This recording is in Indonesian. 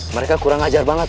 mereka kurang ajar banget